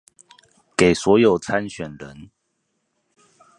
給所有參選人